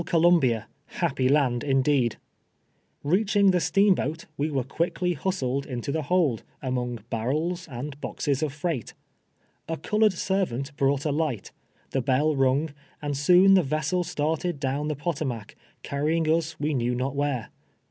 Co lumhia, liappy land, indeed ! Eeachiug the steanujoat, we were cpiickly hustled into the lu)ld, among harrels and hoxes of freight. A colored servant hrought a Hglit, the hell rung, and soon the vessel started down the Potomac, carrying us we knew not where.